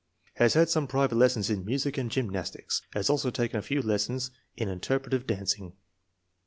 Has had some private lessons in music and gymnastics. Has also taken a few lessons in interpretative dancing.